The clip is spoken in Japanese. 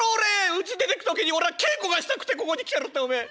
うち出てく時に俺は稽古がしたくてここに来てるっておめえ。